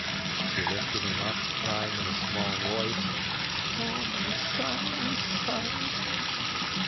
She lifted him up, crying in a small voice: "Oh, my son—my son!"